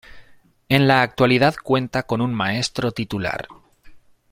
En la actualidad cuenta con un maestro titular.